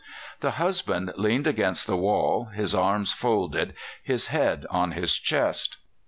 The husband leaned against the wall, his arms folded, his head on his chest.